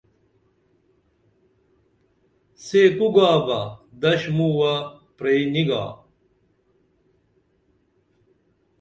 سے کو گابہ دش مووہ پرئی نی گا